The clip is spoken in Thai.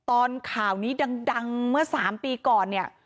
ตอนข่าวนี้ดังมา๓ปีก่อนเนี่ย